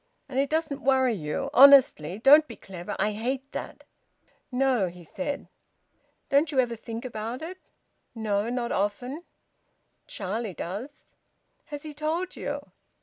"And it doesn't worry you? Honestly? Don't be clever! I hate that!" "No," he said. "Don't you ever think about it?" "No. Not often." "Charlie does." "Has he told you?"